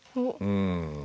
うん。